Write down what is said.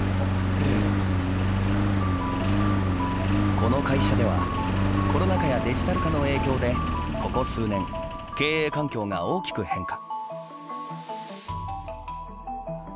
この会社ではコロナ禍やデジタル化の影響でここ数年、経営環境が大きく変化。